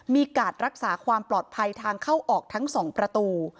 การรักษาความปลอดภัยทางเข้าออกทั้ง๒ประตู